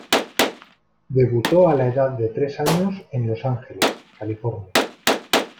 Debutó a la edad de tres años en Los Ángeles, California.